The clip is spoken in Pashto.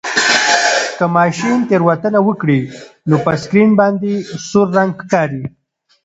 که ماشین تېروتنه وکړي نو په سکرین باندې سور رنګ ښکاري.